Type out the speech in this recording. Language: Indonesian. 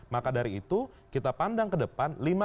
maka dari itu kita pandang ke depan